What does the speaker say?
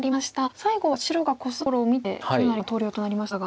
最後は白がコスんだところを見て清成九段投了となりましたが。